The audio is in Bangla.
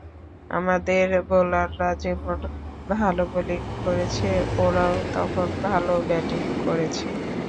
আমাদের বোলাররা যেমন ভালো বোলিং করেছে, ওরাও তখন ভালো ব্যাটিং করেছে।